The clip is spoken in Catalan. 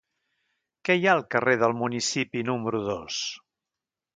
Què hi ha al carrer del Municipi número dos?